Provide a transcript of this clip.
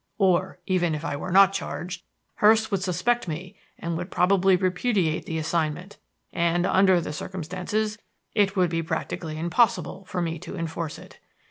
Or, even if I were not charged, Hurst would suspect me and would probably repudiate the assignment; and, under the circumstances, it would be practically impossible for me to enforce it.